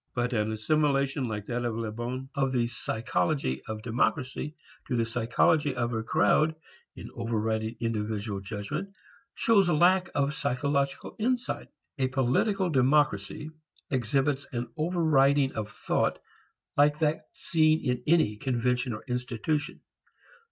But an assimilation like that of Le Bon of the psychology of democracy to the psychology of a crowd in overriding individual judgment shows lack of psychological insight. A political democracy exhibits an overriding of thought like that seen in any convention or institution.